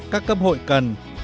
các cấp hội cần